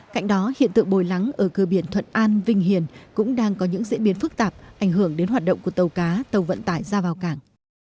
cạnh đó hiện tượng bồi lắng ở cơ biển thuận an vinh hiền cũng đang có những diễn biến phức tạp ảnh hưởng đến hoạt động của tàu cá tàu vận tải ra vào cảng